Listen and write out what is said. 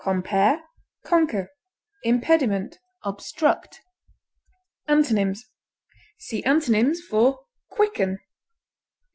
Compare CONQUER; IMPEDIMENT; OBSTRUCT. Antonyms: See synonyms for QUICKEN.